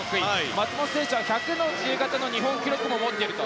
松元選手は１００の自由形の日本記録も持っていると。